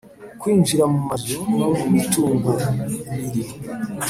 d Kwinjira mu mazu no mu mitungo biri